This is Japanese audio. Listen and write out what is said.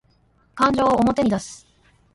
感情を表に出す